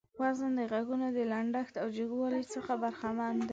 وزن د غږونو د لنډښت او جګوالي څخه برخمن دى.